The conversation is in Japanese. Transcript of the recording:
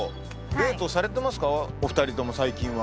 デートされてますかお二人とも最近は。